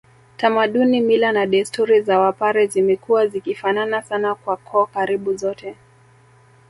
Tamaduni mila na desturi za wapare zimekuwa zikifanana sana kwa koo karibu zote